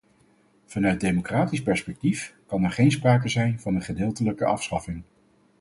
Vanuit democratisch perspectief kan er geen sprake zijn van een gedeeltelijke afschaffing.